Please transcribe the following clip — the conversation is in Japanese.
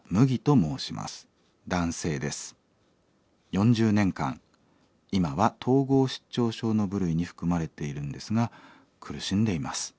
４０年間今は統合失調症の部類に含まれているんですが苦しんでいます。